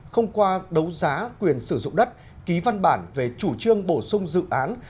không qua đấu giá quyền sử dụng đất ký văn bản về chủ trương bổ sung dự án